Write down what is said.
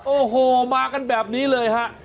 โอ้โหมากันแบบนี้เลยฮะ